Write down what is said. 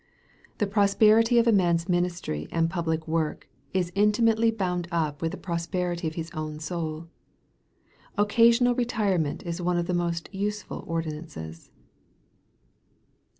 The prosperity of a man's ministry and public work is intimately bound up with the prosperity of his own soul. Occasional re tirement is one of the most useful ordinances.